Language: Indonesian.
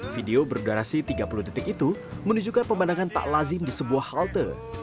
video berdurasi tiga puluh detik itu menunjukkan pemandangan tak lazim di sebuah halte